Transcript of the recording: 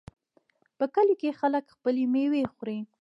په کلیو کې خلک خپلې میوې خوري.